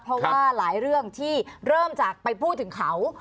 เพราะว่าหลายเรื่องที่เริ่มจากไปพูดถึงเขา